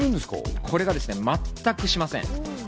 これが全くしません。